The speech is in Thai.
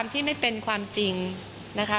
มันหลายเยอะค่ะมันเยอะมากค่ะ